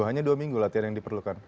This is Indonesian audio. hanya dua minggu latihan yang diperlukan